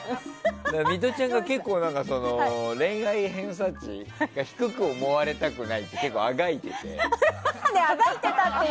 ミトちゃんが恋愛偏差値が低く思われたくないって結構あがいてて。